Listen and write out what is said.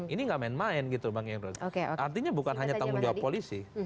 ini nggak main main gitu bang emrus artinya bukan hanya tanggung jawab polisi